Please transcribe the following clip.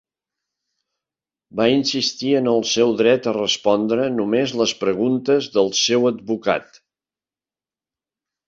Va insistir en el seu dret a respondre només les preguntes del seu advocat.